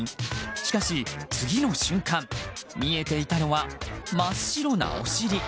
しかし、次の瞬間見えていたのは真っ白なお尻。